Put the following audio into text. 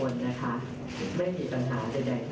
เราจะสามารถจัดตั้งรัฐบาลที่รักษาประโยชน์ไม่นอกแทนตนได้